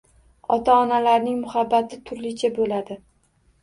Ota-onalarning muhabbati turlicha bo‘ladi.